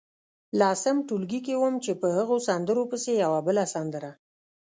لسم ټولګي کې وم چې په هغو سندرو پسې یوه بله سندره.